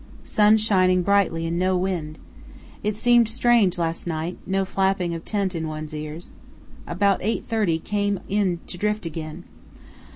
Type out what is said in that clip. Sun shining brightly and no wind. It seemed strange last night, no flapping of tent in one's ears. About 8.30 came on to drift again.